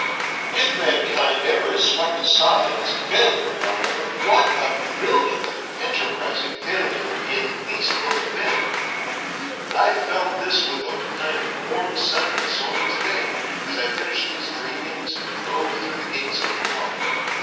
If mankind ever is swept aside as a failure however, what a brilliant and enterprising failure he at least will have been. I felt this with a kind of warm suddenness only today, as I finished these dreamings and drove through the gates of the park.